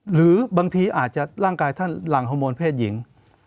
หรือบางทีอาจจะร่างกายท่านหลั่งฮอร์โมนเพศหญิง